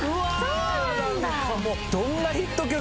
そうなんだ！